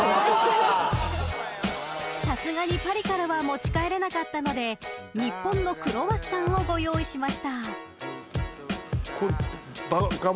［さすがにパリからは持ち帰れなかったので日本のクロワッサンをご用意しました］がぼっでいいんですか？